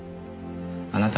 あなた！